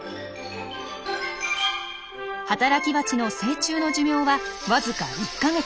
働きバチの成虫の寿命はわずか１か月。